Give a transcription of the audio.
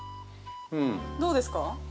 どうですか？